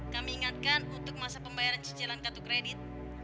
kami ingatkan untuk masa pembayaran cicilan k dua kredit